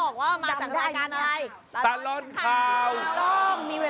ข้าวแกง๑๐บาทจังหวัดสุราชานีค่ะ